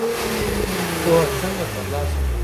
پوهه څنګه تر لاسه کړو؟